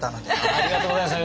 ありがとうございます。